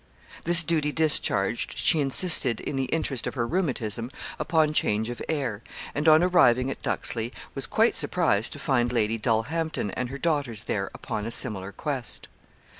This duty discharged, she insisted, in the interest of her rheumatism, upon change of air; and on arriving at Duxley, was quite surprised to find Lady Dulhampton and her daughters there upon a similar quest.